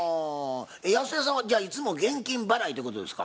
やすえさんはいつも現金払いってことですか？